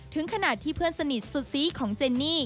ถึงขนาดที่เพื่อนสนิทสุดซีของเจนนี่